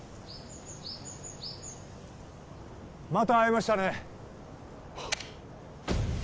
また会えましたね